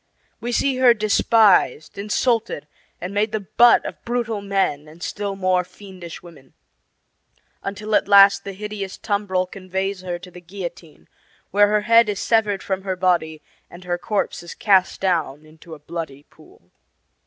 We see her despised, insulted, and made the butt of brutal men and still more fiendish women; until at last the hideous tumbrel conveys her to the guillotine, where her head is severed from her body and her corpse is cast down into a bloody pool.